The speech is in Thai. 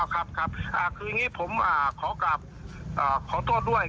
อ๋อครับคืออย่างนี้ผมขอต้อนด้วย